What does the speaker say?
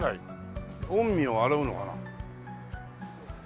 御身を洗うのかな？